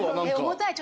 重たい？